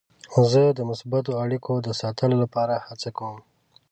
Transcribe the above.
زه د مثبتو اړیکو د ساتلو لپاره هڅه کوم.